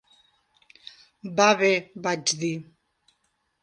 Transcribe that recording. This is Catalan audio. "Va bé", vaig dir.